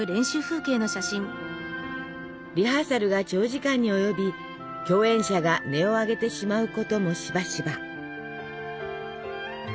リハーサルが長時間に及び共演者が音を上げてしまうこともしばしば。